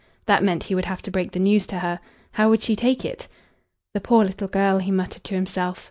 That meant he would have to break the news to her. How would she take it? "The poor little girl!" he muttered to himself.